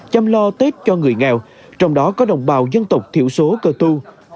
chăm lo tết cho người nghèo trong đó có đồng bào dân tộc thiểu số cơ tu